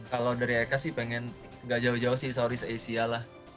kalau dari eka sih pengen gak jauh jauh sih sauris asia lah